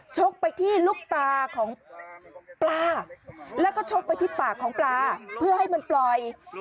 ชกไปที่ลูกตาของปลาแล้วก็ชกไปที่ปากของปลาเพื่อให้มันปล่อย